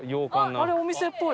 あっあれお店っぽい。